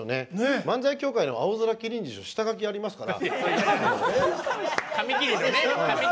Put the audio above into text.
漫才境界の青空麒麟児は下書きやりますから。